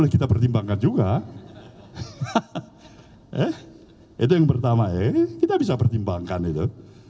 kita pertimbangkan juga eh itu yang pertama ya ini kita bisa pertimbangkan itu